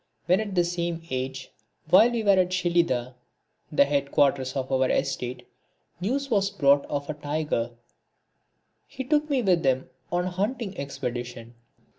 When at the same age, while we were at Shelidah, (the head quarters of our estate,) news was brought of a tiger, he took me with him on a hunting expedition.